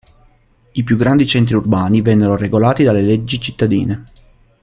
I più grandi centri urbani vennero regolati dalle leggi cittadine.